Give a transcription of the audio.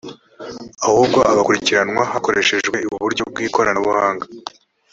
ahubwo agakurikiranwa hakoreshejwe uburyo bwikoranabuhanga